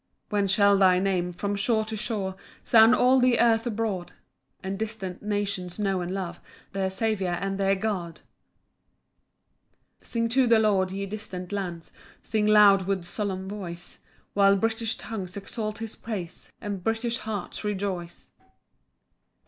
] 3 When shall thy Name, from shore to shore, Sound all the earth abroad, And distant nations know and love Their Saviour and their God? 4 Sing to the Lord, ye distant lands, Sing loud with solemn voice; While British tongues exalt his praise, And British hearts rejoice.